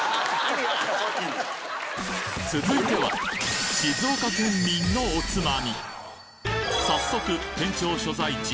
続いては静岡県民のおつまみ早速県庁所在地